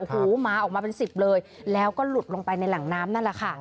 โอ้โหหมาออกมาเป็นสิบเลยแล้วก็หลุดลงไปในแหล่งน้ำนั่นแหละค่ะ